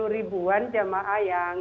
empat puluh ribuan jamaah yang